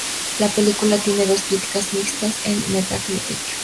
La película tiene dos críticas mixtas en Metacritic.